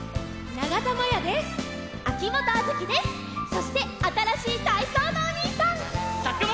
そしてあたらしいたいそうのおにいさん！